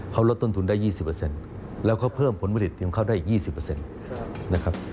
เขารดต้นทุนได้๒๐แล้วก็เพิ่มผลผลิตของเขาได้อีก๒๐